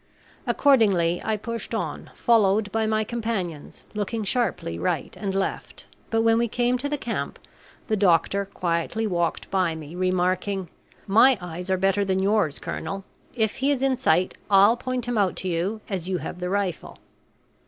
Accordingly I pushed on, followed by my companions, looking sharply right and left; but when we came to the camp the doctor quietly walked by me, remarking, "My eyes are better than yours, colonel; if he is in sight I'll point him out to you, as you have the rifle."